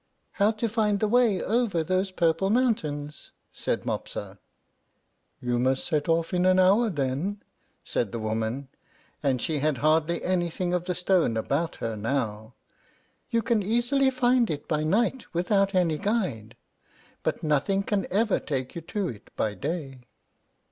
"How to find the way over those purple mountains," said Mopsa. "You must set off in an hour, then," said the woman; and she had hardly anything of the stone about her now. "You can easily find it by night without any guide, but nothing can ever take you to it by day."